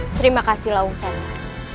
terima kasih lawung sama